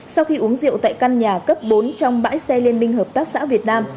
sau khi uống rượu tại căn nhà cấp bốn trong bãi xe liên minh hợp tác xã việt nam